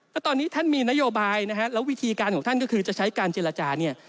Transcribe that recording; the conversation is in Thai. แล้วตอนนี้ท่านมีนโยบายนะฮะแล้ววิธีการของท่านก็คือจะใช้การเจรจาเนี่ย